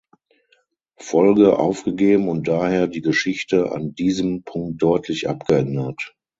Folge aufgegeben und daher die Geschichte an diesem Punkt deutlich abgeändert.